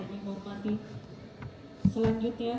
demikian terima kasih